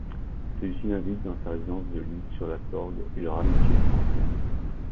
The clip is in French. Celui-ci l'invite dans sa résidence de L'Isle-sur-la-Sorgue, et leur amitié se confirme.